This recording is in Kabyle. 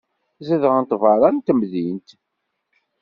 Zedɣent beṛṛa n temdint.